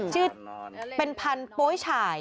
ชื่อเป็นพันธุ์โป๊ยฉาย